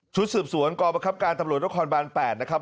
สืบสวนกรประคับการตำรวจนครบาน๘นะครับ